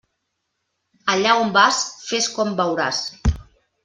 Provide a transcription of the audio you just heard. Allà on vas, fes com veuràs.